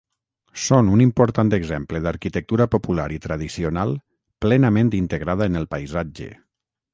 Són un important exemple d'arquitectura popular i tradicional plenament integrada en el paisatge.